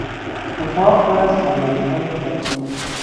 اتاق پر از صندلیهای خالی بود.